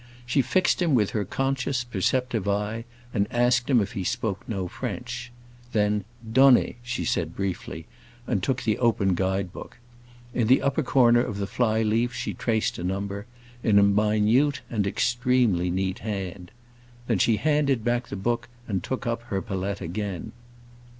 She fixed him with her conscious, perceptive eye and asked him if he spoke no French. Then, "Donnez!" she said briefly, and took the open guide book. In the upper corner of the fly leaf she traced a number, in a minute and extremely neat hand. Then she handed back the book and took up her palette again.